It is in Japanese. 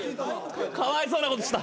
かわいそうなことした。